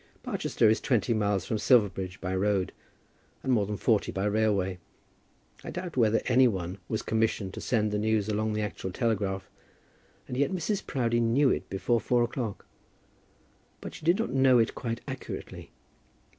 Barchester is twenty miles from Silverbridge by road, and more than forty by railway. I doubt whether any one was commissioned to send the news along the actual telegraph, and yet Mrs. Proudie knew it before four o'clock. But she did not know it quite accurately.